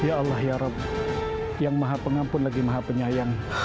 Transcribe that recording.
ya allah ya yang maha pengampun lagi maha penyayang